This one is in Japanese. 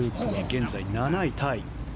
現在７位タイ。